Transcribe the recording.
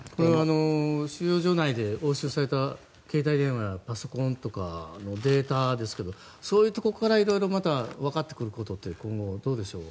収容所内で押収された携帯電話やパソコンなどのデータですがそういうところから色々またわかってくることって今後、どうでしょう？